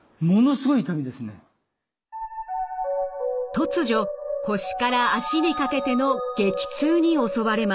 突如腰から脚にかけての激痛に襲われます。